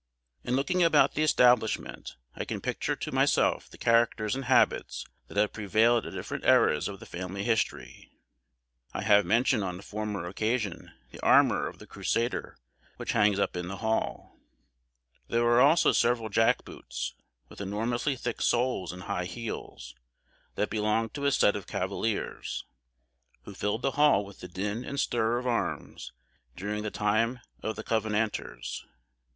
In looking about the establishment, I can picture to myself the characters and habits that have prevailed at different eras of the family history. I have mentioned on a former occasion the armour of the crusader which hangs up in the Hall. There are also several jack boots, with enormously thick soles and high heels, that belonged to a set of cavaliers, who filled the Hall with the din and stir of arms during the time of the Covenanters.